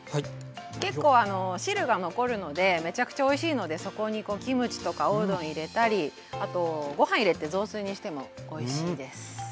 結構汁が残るのでめちゃくちゃおいしいのでそこにキムチとかおうどん入れたりあとご飯入れて雑炊にしてもおいしいです。